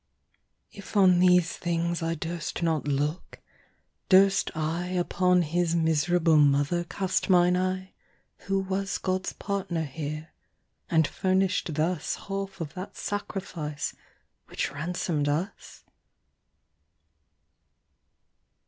If on these things I durst not looke, durst IUpon his miserable mother cast mine eye, Who was Gods partner here, and furnish'd thusHalfe of that Sacrifice, which ransom'd us?